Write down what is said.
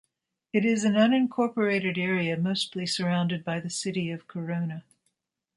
It is an unincorporated area mostly surrounded by the city of Corona.